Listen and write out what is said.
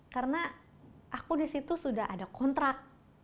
karena aku di situ sudah ada kontrak